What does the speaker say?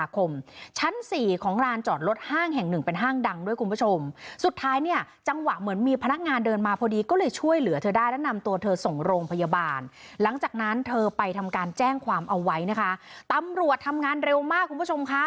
การแจ้งความเอาไว้นะคะตำรวจทำงานเร็วมากคุณผู้ชมคะ